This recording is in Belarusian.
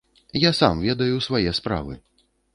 Я сам ведаю свае справы.